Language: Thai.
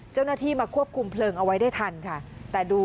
เจ้าหน้าที่มาควบคุมเพลิงเอาไว้ได้ทันค่ะแต่ดู